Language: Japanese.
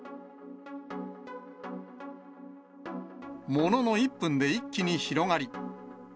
ものの１分で一気に広がり。